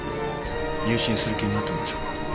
入信する気になったんでしょうか？